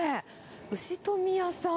牛富屋さん。